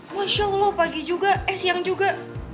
masya allah pagi juga eh siang juga